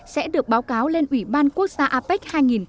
sẽ được báo cáo lên ủy ban quốc gia apec hai nghìn một mươi bảy